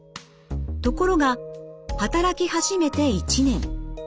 ところが働き始めて１年。